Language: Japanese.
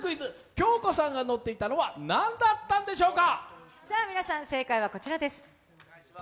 京子さんが乗っていたのは何だったんでしょうか？